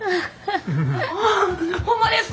ああホンマですか！？